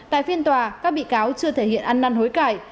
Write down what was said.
tại phiên tòa các bị cáo chưa thể hiện ăn năn hối cải